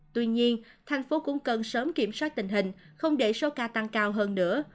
tuy nhiên thành phố cũng cần sớm kiểm soát tình hình không để số ca tăng cao hơn nữa